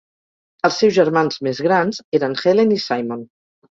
Els seus germans més grans eren Helen i Simon.